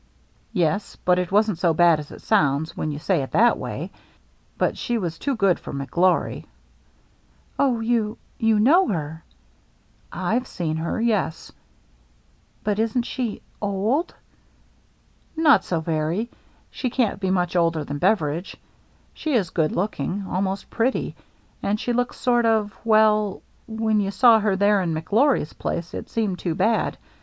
"Yes, — but it wasn't so bad as it sounds when you say it that way. She was too good for McGlory." 414 THE MERRY ANNE " Oh, you — you know her ?"" I've seen her, yes." "But isn't she — old?" " Not so very. She can't be much older than Beveridge. She is good looking — al most pretty. And she looks sort of — well, when you saw her there in McGlory's place, it seemed too bad.